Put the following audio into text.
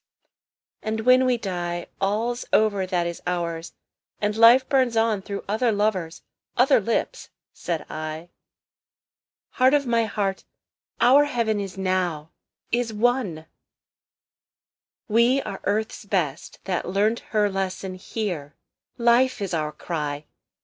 ..." "And when we die All's over that is ours; and life burns on Through other lovers, other lips," said I, "Heart of my heart, our heaven is now, is won!" "We are Earth's best, that learnt her lesson here. Life is our cry.